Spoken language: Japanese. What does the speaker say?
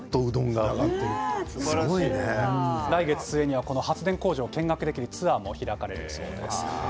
来月末には発電工場を見学できるツアーも開かれるそうです。